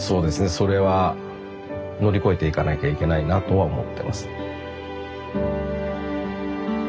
それは乗り越えていかなきゃいけないなとは思ってますね。